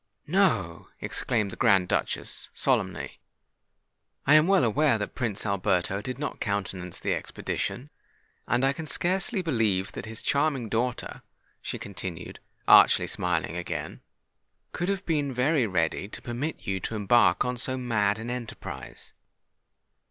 "No!" exclaimed the Grand Duchess, solemnly: "I am aware that Prince Alberto did not countenance the expedition; and I can scarcely believe that his charming daughter," she continued, archly smiling again, "could have been very ready to permit you to embark on so mad an enterprise.